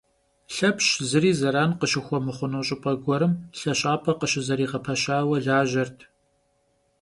Лъэпщ зыри зэран къыщыхуэмыхъуну щӏыпӏэ гуэрым лъэщапӏэ къыщызэригъэпэщауэ лажьэрт.